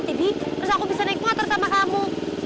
jadi terus aku bisa naik angkot sama kamu